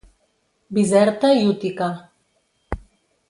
Bizerta i Útica.